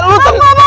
lalu lu tenang